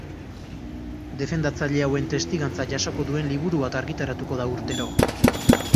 Defendatzaile hauen testigantza jasoko duen liburu bat argitaratuko da urtero.